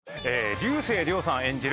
竜星涼さん演じる